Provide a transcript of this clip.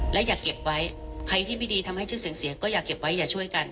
และอย่าเก็บไว้ใครที่ไม่ดีทำให้ชื่อเสียงเสียก็อย่าเก็บไว้อย่าช่วยกัน